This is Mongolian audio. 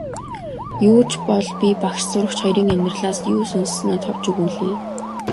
Юу ч бол би багш сурагч хоёрын амьдралаас юу сонссоноо товч өгүүлье.